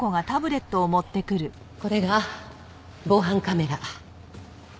これが防犯カメラ。